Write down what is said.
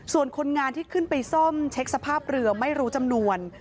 ส่วนคนงานที่ขึ้นไปซ่อมเช็คสภาพเรือไม่รู้จำนวน